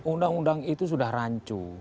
undang undang itu sudah rancu